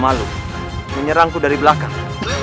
malu menyerangku dari belakang